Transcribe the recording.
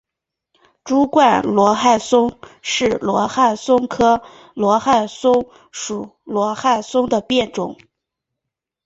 柱冠罗汉松是罗汉松科罗汉松属罗汉松的变种。